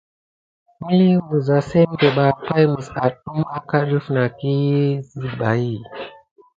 Məlin misza simɓe ɓa pay mis adume aka def nakine si darkiyu.